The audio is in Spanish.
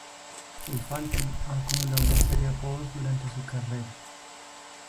El Phantom ha acumulado una serie de apodos durante su carrera.